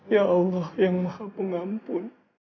ya allah yang maha pengampun